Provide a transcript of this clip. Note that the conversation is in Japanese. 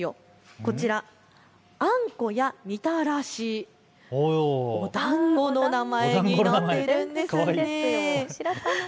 こちら、あんこやみたらし、おだんごの名前になっているんです。